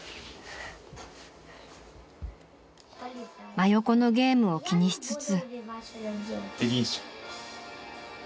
［真横のゲームを気にしつつ］